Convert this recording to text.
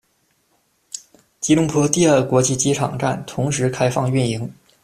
吉隆坡第二国际机场站同时开放运营。